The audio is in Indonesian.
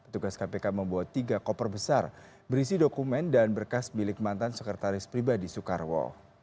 tugas kpk membawa tiga koper besar berisi dokumen dan berkas milik mantan sekretaris pribadi soekarwo